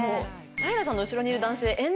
平さんの後ろにいる男性。